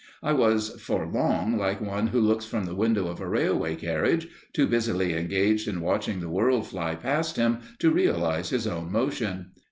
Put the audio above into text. I was for long like one who looks from the window of a railway carriage, too busily engaged in watching the world fly past him to realize his own motion.